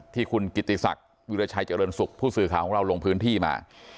ที่คุณกิติศักดิ์วิราชัยเจริญสุขผู้สื่อข่าวของเราลงพื้นที่มา